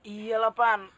iya lah pan